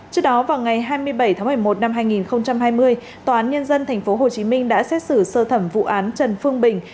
trước đó vào ngày hai mươi bảy tháng một mươi một năm hai nghìn hai mươi tòa án nhân dân tp hcm đã xét xử sơ thẩm vụ án trần phương bình